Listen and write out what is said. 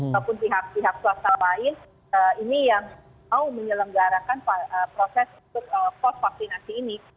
ataupun pihak swasta lain ini yang mau menyelenggarakan proses post vaksinasi ini